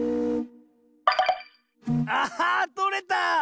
あっとれた！